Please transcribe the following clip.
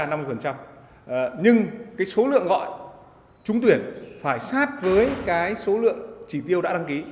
nhưng số lượng gọi trung tuyển phải sát với số lượng chỉ tiêu đã đăng ký